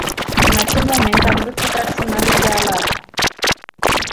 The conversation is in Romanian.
În acel moment am vrut să trag semnalul de alarmă.